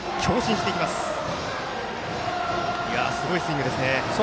すごいスイングですね。